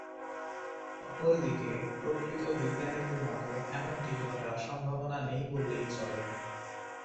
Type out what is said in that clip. অপরদিকে প্রকৃত বিজ্ঞানীদের মতে এমনটি ঘটার সম্ভাবনা নেই বললেই চলে।